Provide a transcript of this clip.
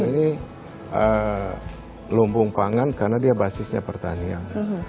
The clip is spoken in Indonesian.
ini lumbung pangan karena dia basisnya pertanian